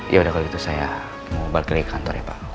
ya udah kalau gitu saya mau balik lagi ke kantor ya pak